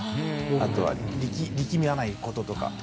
あとは力まないこととか。